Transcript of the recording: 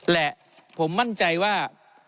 และผมมั่นใจว่า